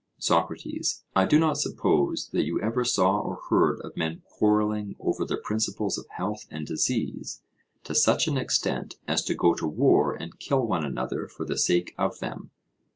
SOCRATES: I do not suppose that you ever saw or heard of men quarrelling over the principles of health and disease to such an extent as to go to war and kill one another for the sake of them?